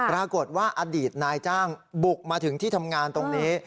ปรากฏว่าอดีตนายจ้างบุกมาถึงที่ทำงานตรงนี้